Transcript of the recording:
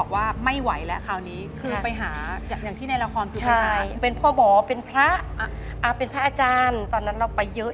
หมายถึงเขาเข้ามาใกล้เรา